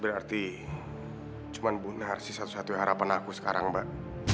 berarti cuma bu narsi satu satunya harapan aku sekarang mbak